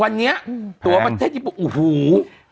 วันนี้ตัวประเทศญี่ปุ่นโอ้โห